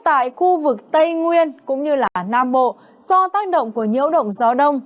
trong mưa rông có khả năng xảy ra lốc xét cũng như là nam bộ do tác động của nhiễu động gió đông